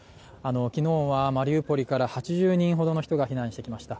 昨日はマリウポリから８０人ほどの人が避難してきました。